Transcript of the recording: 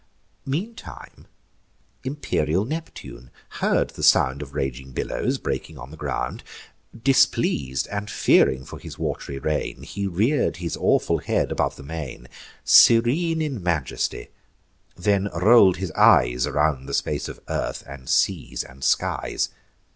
Meantime imperial Neptune heard the sound Of raging billows breaking on the ground. Displeas'd, and fearing for his wat'ry reign, He rear'd his awful head above the main, Serene in majesty; then roll'd his eyes Around the space of earth, and seas, and skies.